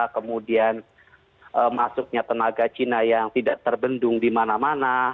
kemudian masuknya tenaga cina yang tidak terbendung dimana mana